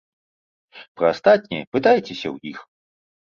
Пра астатняе пытайцеся ў іх!